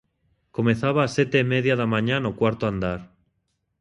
Comezaba ás sete e media da mañá no cuarto andar.